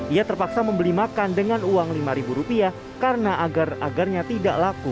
ia terpaksa membeli makan dengan uang lima rupiah karena agarnya tidak laku